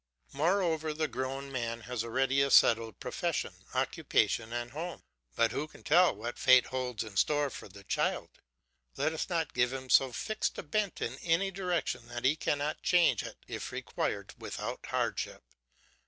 Moreover the grown man has already a settled profession, occupation, and home, but who can tell what Fate holds in store for the child? Let us not give him so fixed a bent in any direction that he cannot change it if required without hardship.